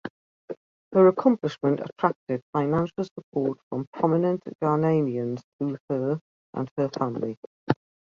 Her accomplishment attracted financial support from prominent Ghanaians to her and her family.